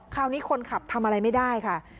คราวนี้คนขับทำอะไรไม่ได้ค่ะ